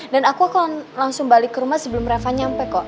dan aku akan langsung balik ke rumah sebelum reva nyampe kok